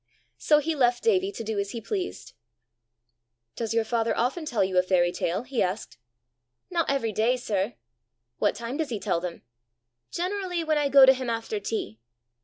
So he left Davie to do as he pleased. "Does your father often tell you a fairy tale?" he asked. "Not every day, sir." "What time does he tell them?" "Generally when I go to him after tea."